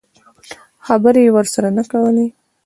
خبرې یې ورسره نه کولې.